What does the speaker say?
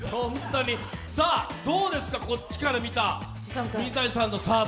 どうですか、こっちから見た水谷さんのサーブ？